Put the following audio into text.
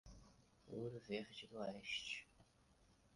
Ouro Verde do Oeste